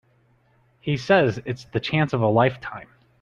He says it's the chance of a lifetime.